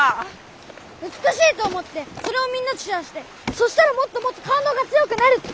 美しいと思ってそれをみんなとシェアしてそしたらもっともっとかんどうが強くなるって。